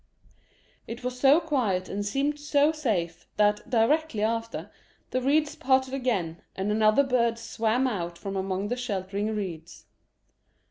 It was so quiet and seemed so safe that directly after the reeds parted again and another bird swam out from among the sheltering reeds.